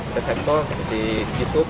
kota bogor mencapai dua puluh dua orang